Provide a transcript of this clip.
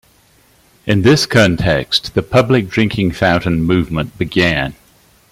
In this context, the public drinking fountain movement began.